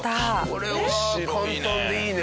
これは簡単でいいね。